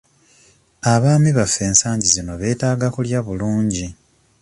Abaami baffe ensangi zino beetaaga kulya bulungi.